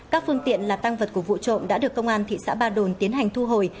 các phương tiện là tăng vật của vụ trộm đã được công an thị xã ba đồn tiến hành thu hồi